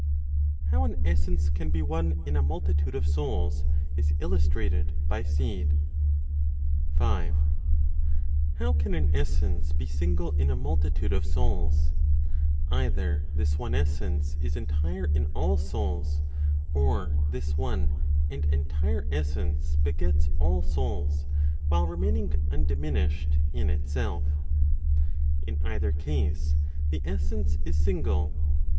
HOW AN ESSENCE CAN BE ONE IN A MULTITUDE OF SOULS IS ILLUSTRATED BY SEED. 5. How can an essence be single in a multitude of souls? Either this one essence is entire in all souls, or this one and entire essence begets all souls while remaining (undiminished) in itself. In either case, the essence is single.